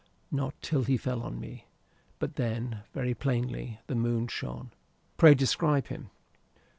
"Not till he fell on me. But then, very plainly. The moon shone." "Pray describe him."